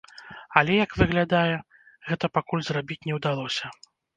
Але, як выглядае, гэта пакуль зрабіць не ўдалося.